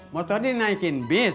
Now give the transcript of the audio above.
motor di naikin bis